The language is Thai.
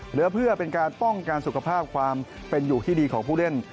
เหลือเพื่อเป็นการป้องกันสุขภาพความเป็นอยู่ที่ดีของผู้เล่น